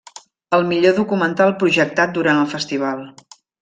Al millor documental projectat durant el festival.